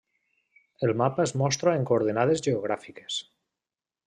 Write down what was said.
El mapa es mostra en coordenades geogràfiques.